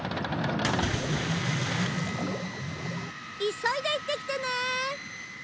急いで行ってきてね！